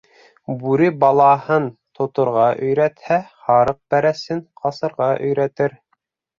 Бүре балаһын тоторға өйрәтһә, һарыҡ бәрәсен ҡасырға өйрәтер.